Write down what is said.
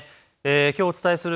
きょうお伝えする